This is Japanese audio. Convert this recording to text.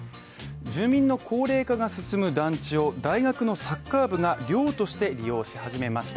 住民の高齢化が進む団地を大学のサッカー部が、寮として利用し始めました。